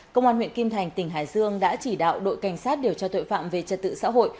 công an huyện kim thành tỉnh hải dương đã chỉ đạo đội cảnh sát điều tra tội phạm về trật tự xã hội